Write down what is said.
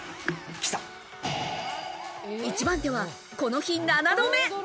１番手は、この日７度目。